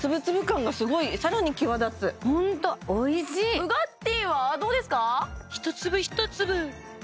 ウガッティーはどうですか？